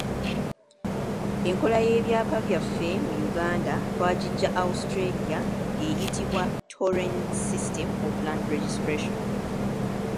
Enkola y’ebyapa byaffe mu Uganda twagiggya Australia nga eyitibwa "Torrens system of land registration".